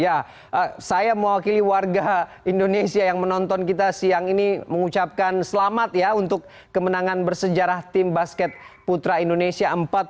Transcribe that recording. ya saya mewakili warga indonesia yang menonton kita siang ini mengucapkan selamat ya untuk kemenangan bersejarah tim basket putra indonesia